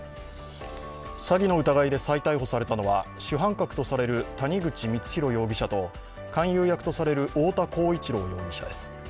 詐欺の疑いで再逮捕されたのは主犯格とされる谷口光弘容疑者と勧誘役とされる太田浩一朗容疑者です。